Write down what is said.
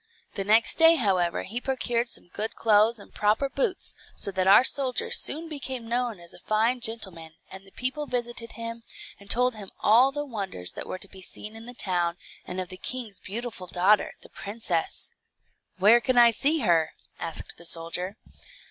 The next day, however, he procured some good clothes and proper boots, so that our soldier soon became known as a fine gentleman, and the people visited him, and told him all the wonders that were to be seen in the town, and of the king's beautiful daughter, the princess. "Where can I see her?" asked the soldier.